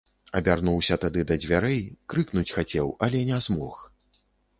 Абярнуўся тады да дзвярэй, крыкнуць хацеў, але не змог.